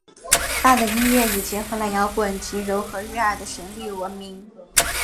她的音乐以结合了摇滚及柔和悦耳的旋律闻名。